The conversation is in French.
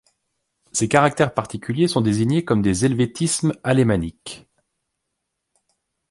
Ces caractères particuliers sont désignés comme des helvétismes alémaniques.